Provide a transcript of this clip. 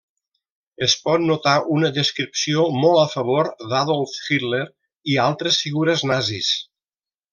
Es pot notar una descripció molt a favor d'Adolf Hitler i altres figures nazis.